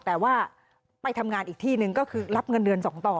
แต่ว่าไปทำงานอีกที่หนึ่งก็คือรับเงินเดือน๒ต่อ